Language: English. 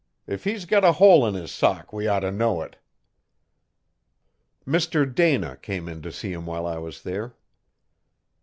If he's got a hole in his sock we ought to know it.' Mr Dana came in to see him while I was there.